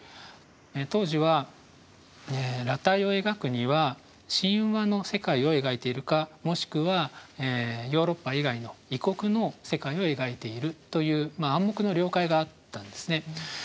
当時は裸体を描くには神話の世界を描いているかもしくはヨーロッパ以外の異国の世界を描いているという暗黙の了解があったんですね。